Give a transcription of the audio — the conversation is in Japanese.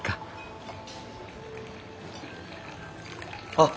あっ。